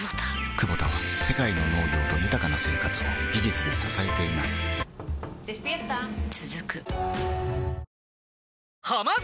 クボタは世界の農業と豊かな生活を技術で支えています起きて。